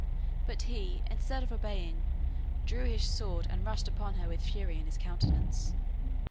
But he, instead of obeying, drew his sword and rushed upon her with fury in his countenance.